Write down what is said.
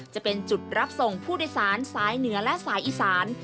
จะเป็นจุดรับส่งผู้โดยสารสายเหนือและสายอีสาน